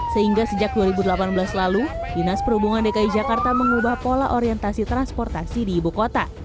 sehingga sejak dua ribu delapan belas lalu dinas perhubungan dki jakarta mengubah pola orientasi transportasi di ibu kota